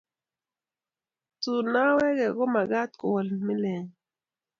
Tun nawekei komakat kowol milenyin